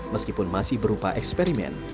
meskipun masih berupa eksperimen